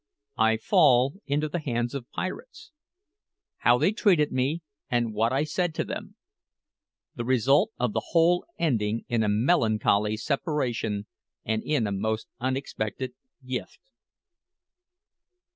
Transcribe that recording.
I FALL INTO THE HANDS OF PIRATES HOW THEY TREATED ME, AND WHAT I SAID TO THEM THE RESULT OF THE WHOLE ENDING IN A MELANCHOLY SEPARATION AND IN A MOST UNEXPECTED GIFT.